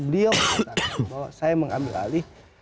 beliau mengatakan bahwa saya mengambil alih